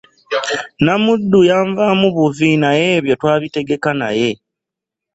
Namuddu yanvaamu buvi naye ebyo twabitegeka naye.